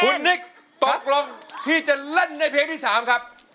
คุณนิกตกลงที่จะเล่นในเพลงที่๓ครับ